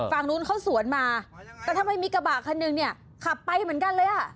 ฝั่งนู้นเขาสวนมาแต่ทำไมมีกระบะคันหนึ่งเนี่ยขับไปเหมือนกันเลยอ่ะ